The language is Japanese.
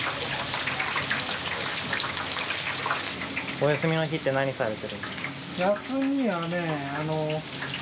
お休みの日って何されてるんですか？